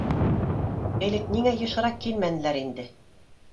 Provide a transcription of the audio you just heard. Элек ниңә йышыраҡ килмәнеләр инде!